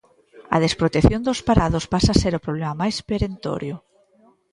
A desprotección dos parados pasa a ser o problema máis perentorio.